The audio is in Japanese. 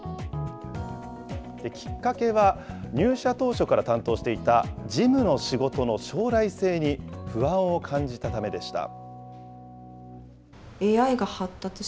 きっかけは、入社当初から担当していた事務の仕事の将来性に不安を感じたためでした。